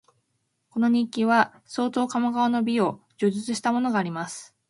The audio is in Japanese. この日記には、相当鴨川の美を叙述したものがあります